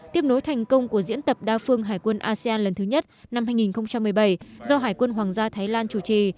tiếp nối thành công của diễn tập đa phương hải quân asean lần thứ nhất năm hai nghìn một mươi bảy do hải quân hoàng gia thái lan chủ trì